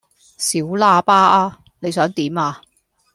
小喇叭呀！你想點呀